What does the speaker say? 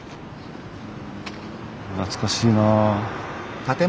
懐かしいなぁ。